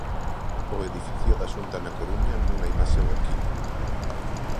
O edificio da Xunta na Coruña, nunha imaxe de arquivo.